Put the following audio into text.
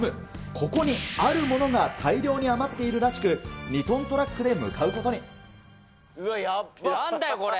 ここに、あるものが大量に余っているらしく、２トントラックで向うわっ、なんだよ、これ。